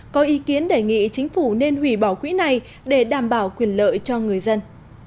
có ý kiến đề nghị chính phủ nên hủy bỏ quỹ này để đảm bảo quyền lợi cho người dân